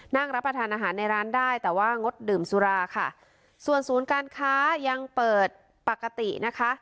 นั่งรับประทานอาหารในร้านได้แต่ว่างดดื่มสุราค่ะส่วนศูนย์การค้ายังเปิดปกตินะคะ